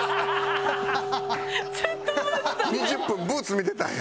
２０分ブーツ見てたんや。